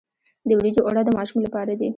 د وریجو اوړه د ماشوم لپاره دي.